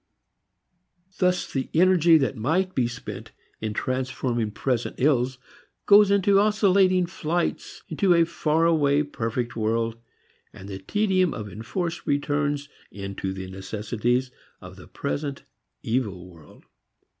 Thus the energy that might be spent in transforming present ills goes into oscillating flights into a far away perfect world and the tedium of enforced returns into the necessities of the present evil world.